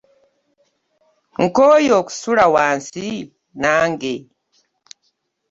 Nkooye okusula wansi nange.